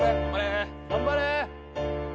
頑張れ！